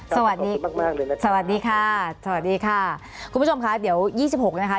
สวัสดีค่ะสวัสดีค่ะคุณผู้ชมค่ะเดี๋ยว๒๖นะคะ